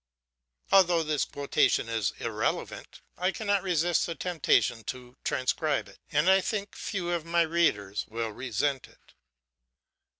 '" Although this quotation is irrelevant, I cannot resist the temptation to transcribe it, and I think few of my readers will resent it.